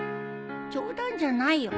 冗談じゃないよ